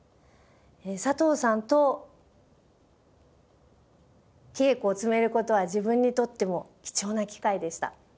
佐藤さんと稽古を積める事は自分にとっても貴重な機会でした。